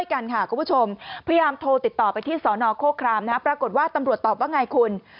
กันค่ะคุณผู้ชมพยายามโทรติดต่อไปที่สนโครครามนะปรากฏว่าตำรวจตอบว่าไงคุณ